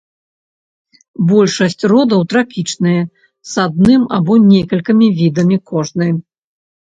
Большасць родаў трапічныя, з адным або некалькімі відамі кожны.